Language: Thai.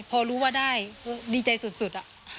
พอรู้ว่าได้ก็ดีใจสุด